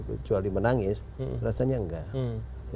kecuali menangis rasanya enggak